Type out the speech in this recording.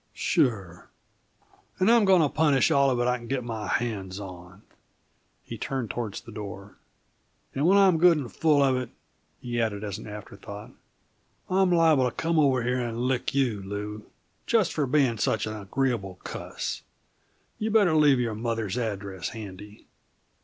"Sure. And I'm going to punish all of it I can get my hands on!" He turned toward the door. "And when I'm good and full of it," he added as an afterthought, "I'm liable to come over here and lick you, Lew, just for being such an agreeable cuss. You better leave your mother's address handy."